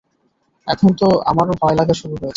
এখন তো আমারো ভয় লাগা শুরু হয়েছে!